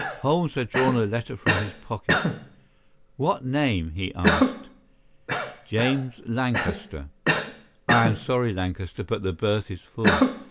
Holmes had drawn a letter from his pocket. "What name?" he asked. "James Lancaster." "I am sorry, Lancaster, but the berth is full.